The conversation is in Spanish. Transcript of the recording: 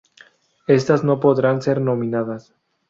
Estas no podrán ser nominadas.